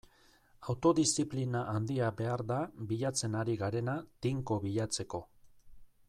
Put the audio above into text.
Autodiziplina handia behar da bilatzen ari garena tinko bilatzeko.